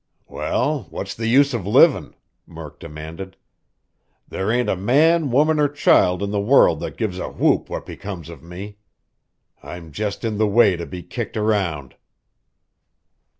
"Well, what's the use of livin'?" Murk demanded. "There ain't a man, woman or child in the world that gives a whoop what becomes of me. I'm just in the way to be kicked around."